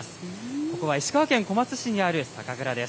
ここは石川県小松市にある酒蔵です。